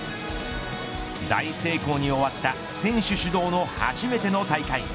大成功に終わった選手主導の初めての大会。